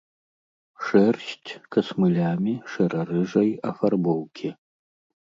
Шэрсць касмылямі шэра-рыжай афарбоўкі.